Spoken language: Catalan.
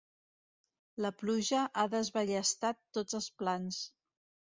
La pluja ha desballestat tots els plans.